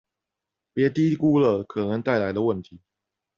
別低估了可能帶來的問題